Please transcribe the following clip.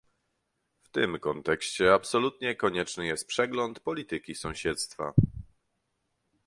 W tym kontekście absolutnie konieczny jest przegląd polityki sąsiedztwa